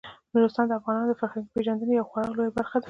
نورستان د افغانانو د فرهنګي پیژندنې یوه خورا لویه برخه ده.